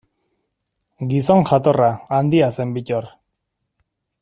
Gizon jatorra, handia zen Bittor.